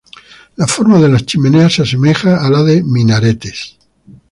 La forma de las chimeneas se asemeja a la de minaretes.